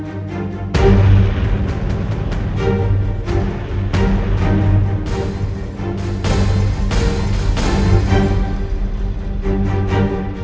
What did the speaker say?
udah enggak pacaran lagi